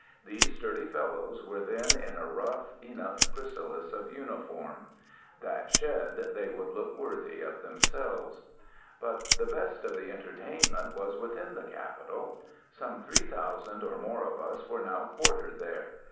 These sturdy fellows were then in a rough enough chrysalis of uniform. That shed, they would look worthy of themselves. But the best of the entertainment was within the Capitol. Some three thousand or more of us were now quartered there.